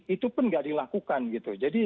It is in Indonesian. itu pun nggak dilakukan gitu jadi